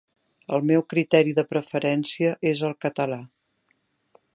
El meu criteri de preferència és el català.